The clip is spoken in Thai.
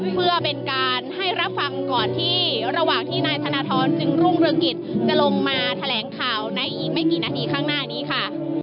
เพื่อเป็นการให้รับฟังก่อนที่ระหว่างที่นายธนทรจึงรุ่งเรืองกิจจะลงมาแถลงข่าวในอีกไม่กี่นาทีข้างหน้านี้ค่ะ